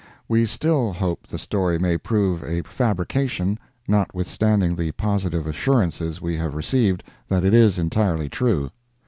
We still hope the story may prove a fabrication, notwithstanding the positive assurances we have received that it is entirely true.